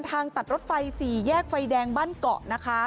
ทางตัดรถไฟ๔แยกไฟแดงบ้านเกาะนะคะ